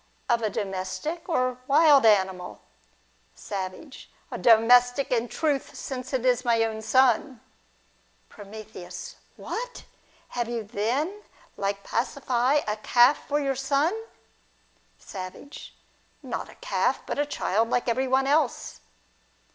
Of a domestic, or wild animal ? Savage. Domestic, in truth, since it is my own son. From. What ! Had you then, like Pasiphae, a calf for your son ? Savage. Not a calf, but a child like every one else.